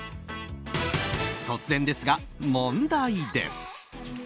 突然ですが、問題です。